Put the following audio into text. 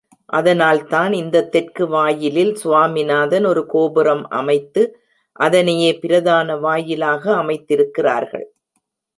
அதனால் தான் இந்தத் தெற்கு வாயிலில் சுவாமிநாதன் ஒரு கோபுரம் அமைத்து அதனையே பிரதான வாயிலாக அமைத்திருக்கிறார்கள்.